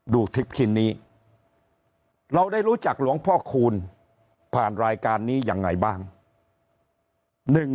ดูคลิปชิ้นนี้เราได้รู้จักหลวงพ่อคูณผ่านรายการนี้ยังไงบ้าง